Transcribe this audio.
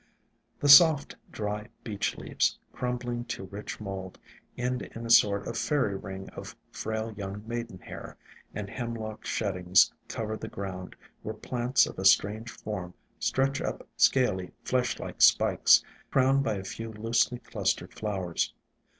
The soft, dry Beech leaves, crumbling to rich mould, end in a sort of fairy ring of frail young Maidenhair, and Hemlock sheddings cover the ground, where plants of a strange form stretch up scaly, flesh like spikes, crowned by a few loosely clustered flowers.